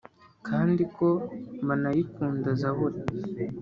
kandi ko banayikunda Zaburi